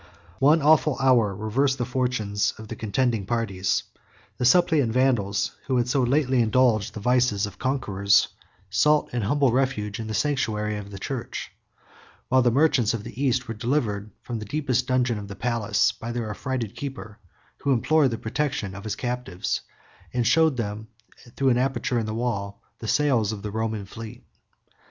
One awful hour reversed the fortunes of the contending parties. The suppliant Vandals, who had so lately indulged the vices of conquerors, sought an humble refuge in the sanctuary of the church; while the merchants of the East were delivered from the deepest dungeon of the palace by their affrighted keeper, who implored the protection of his captives, and showed them, through an aperture in the wall, the sails of the Roman fleet.